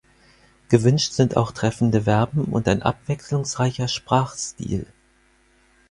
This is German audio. Gewünscht sind auch treffende Verben und ein abwechslungsreicher Sprachstil.